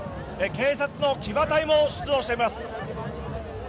警察の騎馬隊も出動しています。